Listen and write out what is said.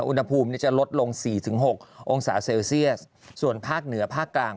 อุณหภูมิจะลดลงสี่ถึงหกองศาเซลเซียสส่วนภาคเหนือภาคกลาง